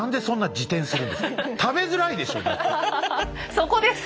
そこですか！